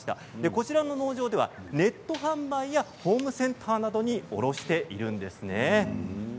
こちらの農場では、ネット販売やホームセンターなどに卸しているんですね。